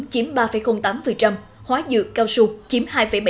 chiếm ba tám hóa dược cao su chiếm hai bảy mươi một